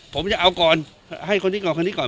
ผมจะเอาก่อนให้คนนี้ก่อนคนนี้ก่อน